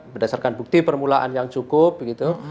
berdasarkan bukti permulaan yang cukup gitu